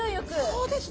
そうですね。